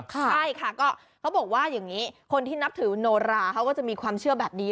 ใช่ค่ะก็เขาบอกว่าอย่างนี้คนที่นับถือโนราเขาก็จะมีความเชื่อแบบนี้